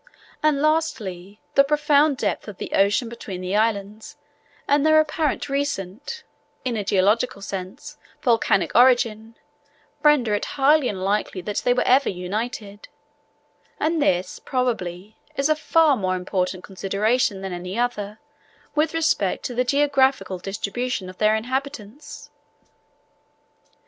And lastly, the profound depth of the ocean between the islands, and their apparently recent (in a geological sense) volcanic origin, render it highly unlikely that they were ever united; and this, probably, is a far more important consideration than any other, with respect to the geographical distribution of their inhabitants.